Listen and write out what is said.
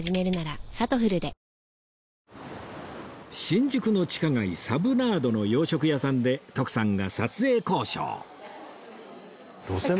新宿の地下街サブナードの洋食屋さんで徳さんが撮影交渉